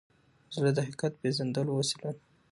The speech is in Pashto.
زړه د حقیقت پیژندلو وسیله ده.